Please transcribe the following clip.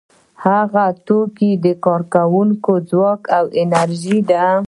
هغه توکي د کارکوونکو ځواک او انرژي ده